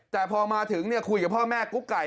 แต่พอมาถึงคุยกับพ่อแม่กุ๊กไก่